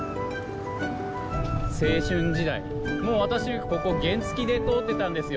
青春時代私ここ原付きで通ってたんですよ。